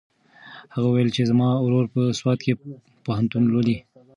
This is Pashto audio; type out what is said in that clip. هغې وویل چې زما ورور په سوات کې پوهنتون لولي.